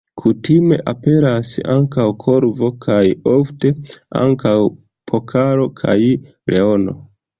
Kutime aperas ankaŭ korvo kaj ofte ankaŭ pokalo kaj leono.